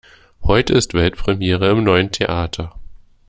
Heute ist Weltpremiere im neuen Theater.